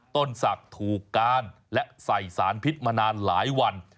ต้นศักดิ์ถูกการและใส่สารพิษมานานหลายวัน